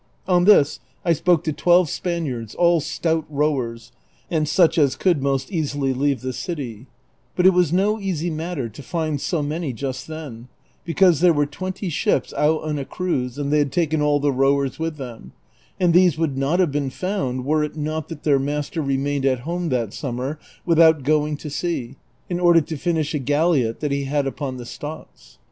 On this I spoke to twelve Spaniards, all stout rowers, and such as could most easily leave the city ; but it was no easy matter to find so many just then, because there were twenty ships out on a cruise, and they had taken all the rowers with them ; and these would not have been found were it not that their master remained at home that summer without going to sea, in order to finish a galliot that he had upon the stocks.